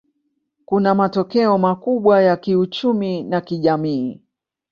Kuna matokeo makubwa ya kiuchumi na kijamii.